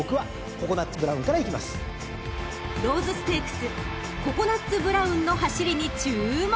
［ローズステークスココナッツブラウンの走りに注目！］